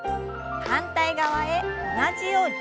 反対側へ同じように。